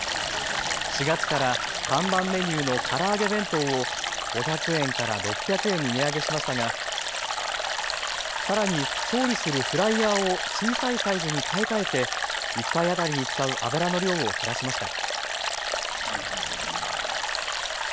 ４月から看板メニューのから揚げ弁当を５００円から６００円に値上げしましたがさらに調理するフライヤーを小さいサイズに買い換えて１回当たりに使う油の量を減らしました。